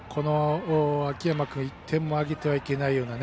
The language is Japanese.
秋山君、一点もあげてはいけないというね